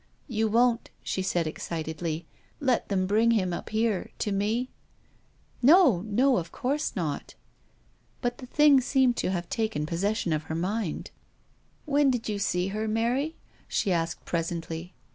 You won't," she said excitedly, "let them bring him up here, to me?" " No, no ; of course not." But the thing seemed like an obssession to the sick girl. " When did you see her, Mary ?" she asked presently.